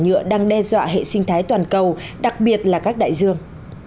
nhựa đang đe dọa hệ sinh thái toàn cầu đặc biệt là các đại dương